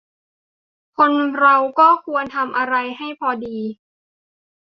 คนเราก็ควรทำอะไรให้พอดี